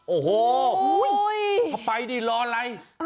โอ้โหไปดิรออะไร